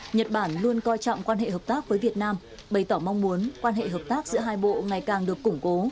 nhật bản luôn coi trọng quan hệ hợp tác với việt nam bày tỏ mong muốn quan hệ hợp tác giữa hai bộ ngày càng được củng cố